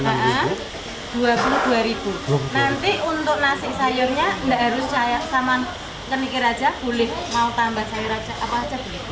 nanti untuk nasi sayurnya gak harus sama kenikir aja boleh mau tambah sayur aja apa aja boleh